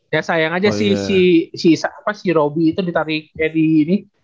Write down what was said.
ya sayang aja si robby itu ditariknya di ini